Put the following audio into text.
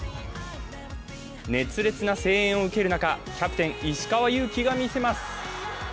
熱烈な声援を受ける中、キャプテン・石川祐希が見せます。